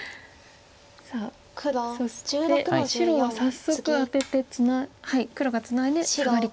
さあそして白は早速アテて黒がツナいでサガリと。